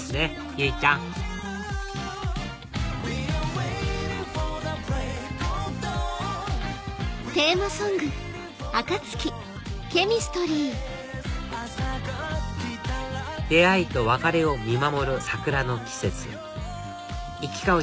由依ちゃん出会いと別れを見守る桜の季節行き交う